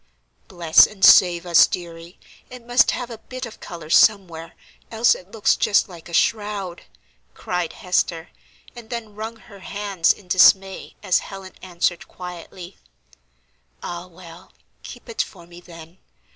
"Bless and save us, deary; it must have a bit of color somewhere, else it looks just like a shroud," cried Hester, and then wrung her hands in dismay as Helen answered, quietly: "Ah, well, keep it for me, then.